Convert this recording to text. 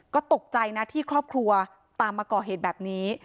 ก็ตกใจนะที่ครอบครัวตามมาก่อเหตุแบบนี้